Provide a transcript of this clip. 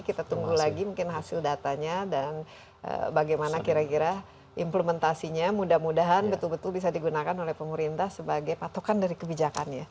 kita tunggu lagi mungkin hasil datanya dan bagaimana kira kira implementasinya mudah mudahan betul betul bisa digunakan oleh pemerintah sebagai patokan dari kebijakannya